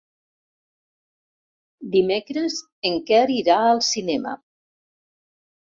Dimecres en Quer irà al cinema.